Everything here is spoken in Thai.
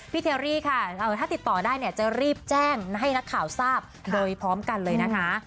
เทอรี่ค่ะถ้าติดต่อได้เนี่ยจะรีบแจ้งให้นักข่าวทราบโดยพร้อมกันเลยนะคะ